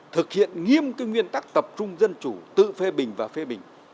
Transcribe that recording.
thực hiện nghiêm nguyên tắc tập trung dân chủ tự phê bình và phê bình